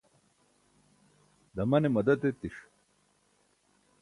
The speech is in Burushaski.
damane madad etiṣ